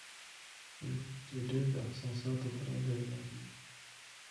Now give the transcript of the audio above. ژوند يې ډېر د احساساتو تر اغېز لاندې وي.